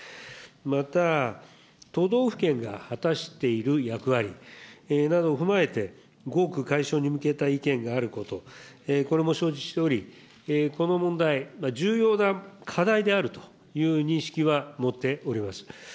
また、都道府県が果たしている役割などを踏まえて、合区解消に向けた意見があること、これも承知しており、この問題、重要な課題であるという認識は持っております。